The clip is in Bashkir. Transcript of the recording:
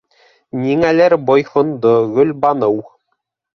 Ниңәлер буйһондо Гөлбаныу.